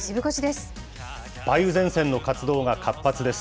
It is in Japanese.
梅雨前線の活動が活発です。